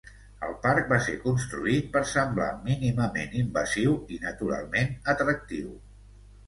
El parc va ser construït per semblar mínimament invasiu i naturalment atractiu.